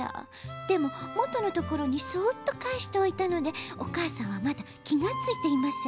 「でももとのところにそっとかえしておいたのでおかあさんはまだきがついていません。